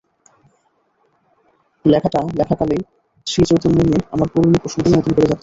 লেখাটা লেখাকালেই শ্রীচৈতন্য নিয়ে আমার পুরোনো প্রশ্নগুলো নতুন করে জাগতে শুরু করল।